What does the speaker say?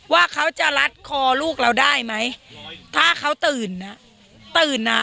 ว่าเขาจะรัดคอลูกเราได้ไหมถ้าเขาตื่นน่ะตื่นอ่ะ